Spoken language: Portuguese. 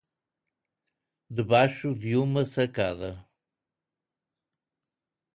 De baixo de uma sacada.